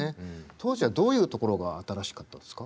当時はどういうところが新しかったですか？